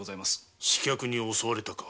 刺客に襲われたのか！？